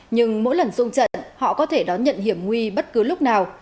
nhưng mỗi lần sung trận họ có thể đón nhận hiểm nguy bất cứ lúc nào